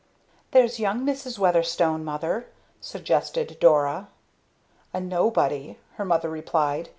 "There's young Mrs. Weatherstone, mother " suggested Dora. "A nobody!" her mother replied.